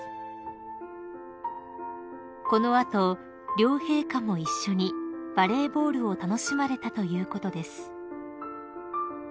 ［この後両陛下も一緒にバレーボールを楽しまれたということです］